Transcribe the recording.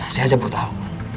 saya aja beritahu